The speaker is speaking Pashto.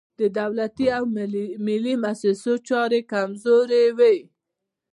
د دولتي او ملي موسسو چارې کمزورې وي.